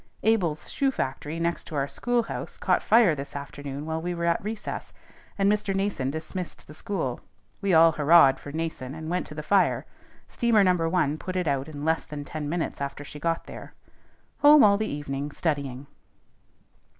_ _Abel's shoe factory, next to our schoolhouse, caught fire this afternoon while we were at recess, and Mr. Nason dismissed the school. We all hurrahed for Nason, and went to the fire. Steamer No. 1 put it out in less than ten minutes after she got there._ _Home all the evening, studying.